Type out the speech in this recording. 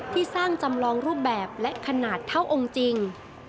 ที่สร้างจำลองรูปแบบและขนาดเท่าองค์จริง